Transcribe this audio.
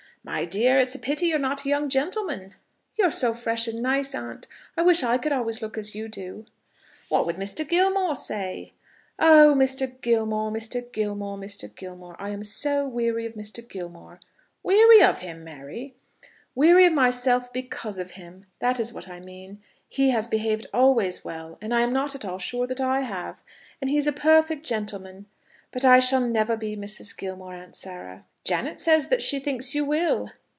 "My dear, it's a pity you're not a young gentleman." "You are so fresh and nice, aunt. I wish I could always look as you do." "What would Mr. Gilmore say?" "Oh, Mr. Gilmore, Mr. Gilmore, Mr. Gilmore! I am so weary of Mr. Gilmore." "Weary of him, Mary?" "Weary of myself because of him that is what I mean. He has behaved always well, and I am not at all sure that I have. And he is a perfect gentleman. But I shall never be Mrs. Gilmore, Aunt Sarah." "Janet says that she thinks you will."